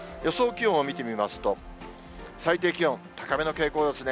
気温を見てみますと、最低気温、高めの傾向ですね。